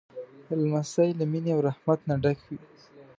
لمسی له مینې او رحمت نه ډک وي.